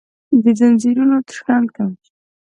دځنځیرونو شرنګ ته ،